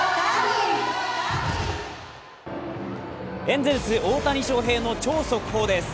エンゼルス・大谷翔平の超速報です。